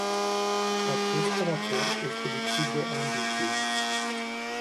Acest raport este lipsit de ambiție.